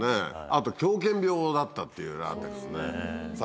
あと、狂犬病だったっていうあれですね。